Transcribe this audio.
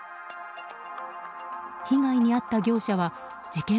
被害に遭った業者は事件